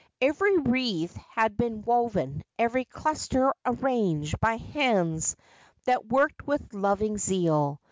Every wreath had been woven, every cluster arranged, by hands that worked with loving zeal.